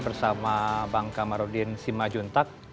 bersama bang kamarudin simajuntak